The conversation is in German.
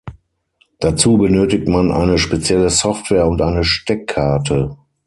Dazu benötigt man eine spezielle Software und eine Steckkarte.